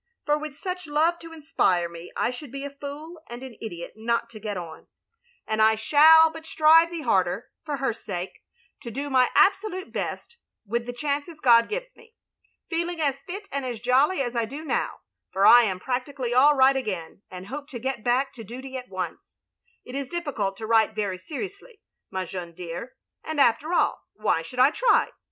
For with such love to inspire me^ I should be a fool and an idiot not to get on, and I shall but strive 324 THE LONELY LADY the harder, for her sake, to do my absolute best with the chances God gives me. Feeling as fit and as jolly as I dp now, for I am practically all right again and hope to get back to duty at once, it is difficult to write very seriously, my Jeannie dear, and after all, why should I try?